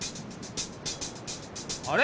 あれ？